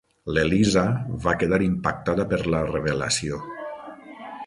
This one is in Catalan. L'Eliza va quedar impactada per la revelació.